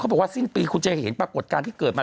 บอกว่าสิ้นปีคุณจะเห็นปรากฏการณ์ที่เกิดมา